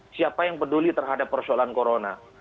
siapa yang peduli terhadap persoalan corona